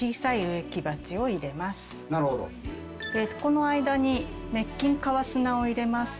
この間に滅菌川砂を入れます。